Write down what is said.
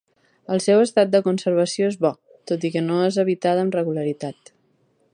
El seu estat de conservació és bo, tot i que no és habitada amb regularitat.